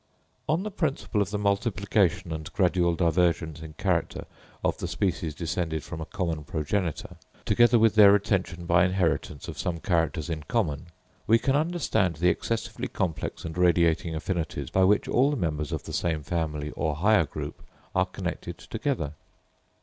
On the principle of the multiplication and gradual divergence in character of the species descended from a common progenitor, together with their retention by inheritance of some characters in common, we can understand the excessively complex and radiating affinities by which all the members of the same family or higher group are connected together.